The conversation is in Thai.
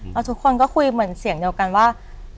แล้วทุกคนก็คุยเหมือนเสียงเดียวกันว่า